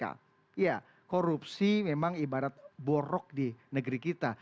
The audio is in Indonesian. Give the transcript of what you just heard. iya korupsi memang ibarat borok di negeri kita